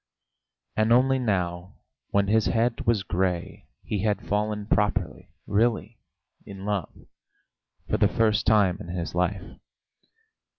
And only now when his head was grey he had fallen properly, really in love for the first time in his life.